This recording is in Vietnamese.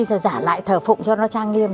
rồi giả lại thờ phụng cho nó trang nghiêm